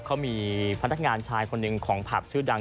เขามีพนักงานชายคนหนึ่งของผับชื่อดัง